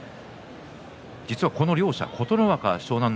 この両者は琴ノ若、湘南乃